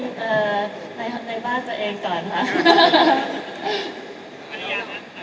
คิดว่าร้องเพลงในบ้านเจ้าเองก่อนค่ะ